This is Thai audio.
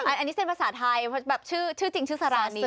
อันนี้เซ็นต์ภาษาไทยชื่อจริงชื่อสารานี